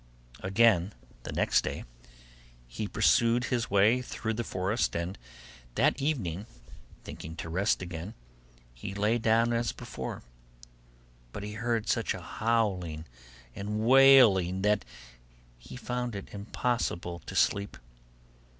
Again the next day he pursued his way through the forest, and that evening, thinking to rest again, he lay down as before, but he heard such a howling and wailing that he found it impossible to sleep.